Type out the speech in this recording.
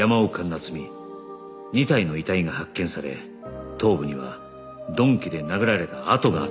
夏美２体の遺体が発見され頭部には鈍器で殴られた痕があった